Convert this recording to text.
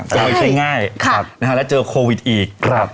ใช่ใช่ง่ายครับนะฮะแล้วเจอโควิดอีกครับ